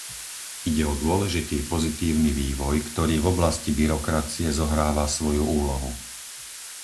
Ide o dôležitý pozitívny vývoj, ktorý v oblasti byrokracie zohráva svoju úlohu.